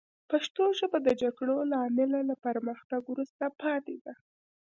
پښتو ژبه د جګړو له امله له پرمختګ وروسته پاتې ده